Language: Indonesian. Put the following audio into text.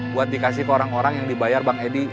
buat dikasih ke orang orang yang dibayar bang edi